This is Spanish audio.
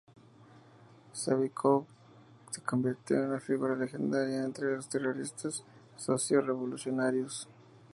Sávinkov se convirtió en una figura legendaria entre los terroristas socialrevolucionarios.